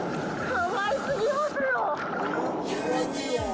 かわいすぎますよ。